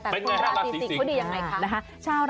โอเคโอเคโอเคโอเค